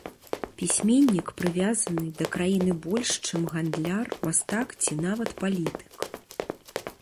Пісьменнік прывязаны да краіны больш, чым гандляр, мастак ці нават палітык.